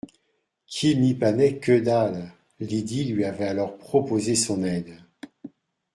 qu’il n’y panait que dalle. Lydie lui avait alors proposé son aide